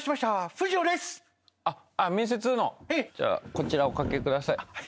こちらお掛けください。